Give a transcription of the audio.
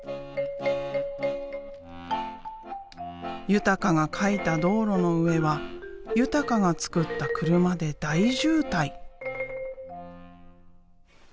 豊が描いた道路の上は豊がつくった車で大渋滞。